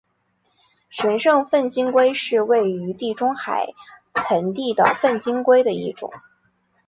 神圣粪金龟是位于地中海盆地的粪金龟的一种。